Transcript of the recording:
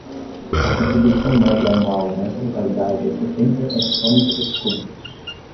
A contribuição média anual nessa localidade é setenta hectómetros cúbicos.